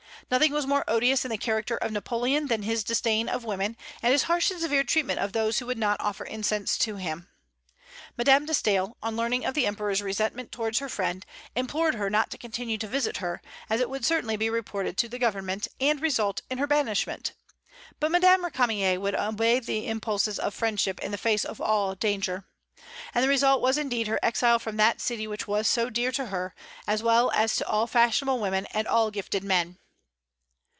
Nothing was more odious in the character of Napoleon than his disdain of women, and his harsh and severe treatment of those who would not offer incense to him. Madame de Staël, on learning of the Emperor's resentment towards her friend, implored her not to continue to visit her, as it would certainly be reported to the Government, and result in her banishment; but Madame Récamier would obey the impulses of friendship in the face of all danger. And the result was indeed her exile from that city which was so dear to her, as well as to all fashionable women and all gifted men.